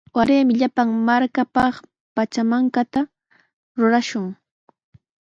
Waraymi llapan markapaq pachamankata rurashun.